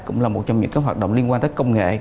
cũng là một trong những hoạt động liên quan tới công nghệ